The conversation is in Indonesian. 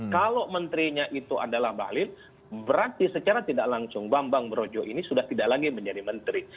kalau menterinya itu adalah bahlil berarti secara tidak langsung bambang brojo ini sudah tidak lagi menjadi menteri